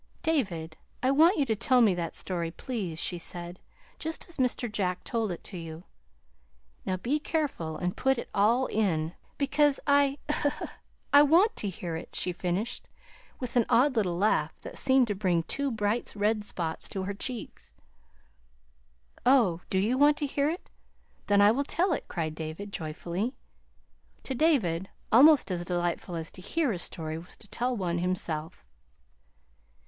"David, I want you to tell me that story, please," she said, "just as Mr. Jack told it to you. Now, be careful and put it all in, because I I want to hear it," she finished, with an odd little laugh that seemed to bring two bright red spots to her cheeks. "Oh, do you want to hear it? Then I will tell it," cried David joyfully. To David, almost as delightful as to hear a story was to tell one himself.